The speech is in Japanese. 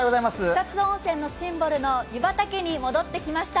草津温泉のシンボルの湯畑に戻ってきました。